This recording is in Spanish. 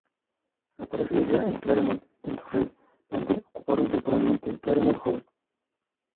La pareja vivía en Claremont, en Surrey, donde ocuparon temporalmente "Claremont House".